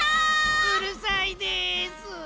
うるさいです。